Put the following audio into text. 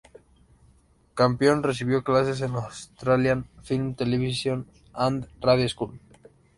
Campion recibió clases en la Australian Film Television and Radio School.